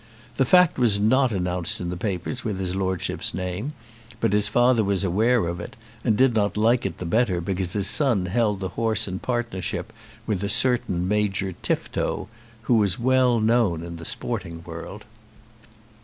The fact was not announced in the papers with his lordship's name, but his father was aware of it, and did not like it the better because his son held the horse in partnership with a certain Major Tifto, who was well known in the sporting world.